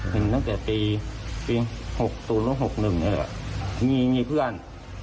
เห็นตั้งแต่ปี๖แล้ว๖๑นี่พี่มีเพื่อน